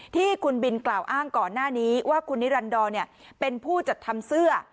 ที่คุณบินกล่าวอ้างก่อนหน้านี้ว่าคุณนิรันดรเป็นผู้จัดทำเสื้อ